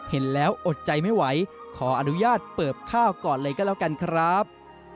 เห็นแล้วอดใจไม่ไหวขออนุญาตเปิบข้าวก่อนเลยก็แล้วกันครับ